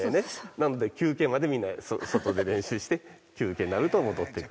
なので休憩までみんな外で練習して休憩になると戻ってくる。